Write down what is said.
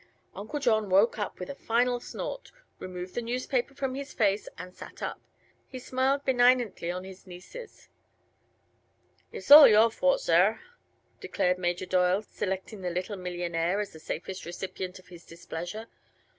Uncle John woke up with a final snort, removed the newspaper from his face and sat up. He smiled benignantly upon his nieces. "It's all your fault, sor!" declared Major Doyle, selecting the little millionaire as the safest recipient of his displeasure.